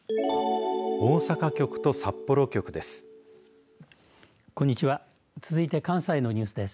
大阪局と札幌局です。